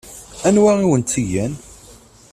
Anwa i wen-tt-igan?